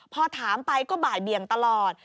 พอถามไปก็บ่ายเบียงตลอด